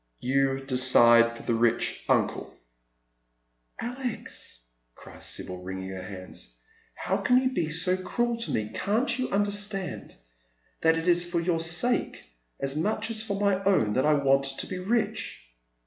" You decide for the rich uncle ?"" Alex !" cries Sibyl, wringing her hands, " how can you b« 80 cruel to me ? Can't you understand that it is for your sake as much as for my own that I want to be rich